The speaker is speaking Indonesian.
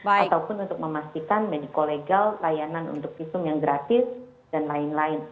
ataupun untuk memastikan medico legal layanan untuk isu yang gratis dan lain lain